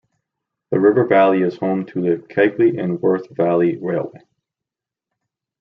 The river valley is home to the Keighley and Worth Valley Railway.